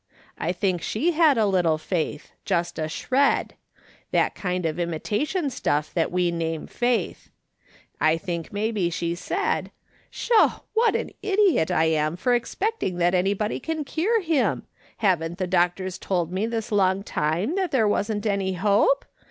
I think she had a little faith, just a shred ; that kind of imitation stuff that we name faith. I think maybe she said :' Sho ! what an idiot I am for expecting that anybody can cure him ! Haven't the doctors told me this long time that there wasn't any hope